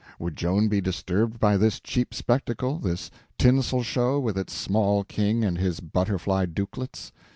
Would Joan be disturbed by this cheap spectacle, this tinsel show, with its small King and his butterfly dukelets?